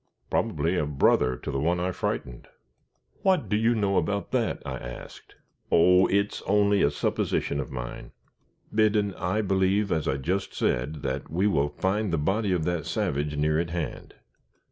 Probably a brother to the one I frightened." "What do you know about that?" I asked. "Oh! it's only a supposition of mine." "Biddon, I believe, as I just said, that we will find the body of that savage near at hand.